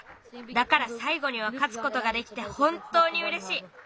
だからさいごにはかつことができてほんとうにうれしい。